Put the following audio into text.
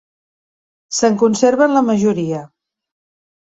Se'n conserven la majoria.